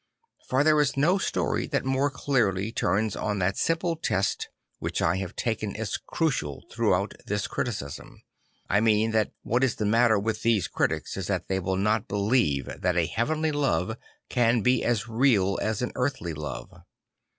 For there is no story that more clearly turns on that simple test which I have taken as crucial throughout this criticism. I mean that what is the matter with these critics is that they will not believe that a heavenly love can be as real as an earthly love.